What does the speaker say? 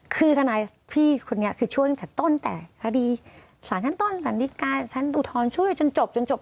คือทนายพี่คนนี้คือช่วยตั้งแต่ต้นแต่คดีสารชั้นต้นสันติการชั้นอุทธรณ์ช่วยจนจบจนจบ